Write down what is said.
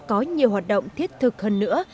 có nhiều hoạt động thiết thực hơn nữa